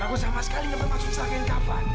aku sama sekali gak pernah susahkan kaka